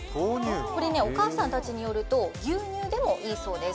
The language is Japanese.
これねお母さんたちによると牛乳でもいいそうです。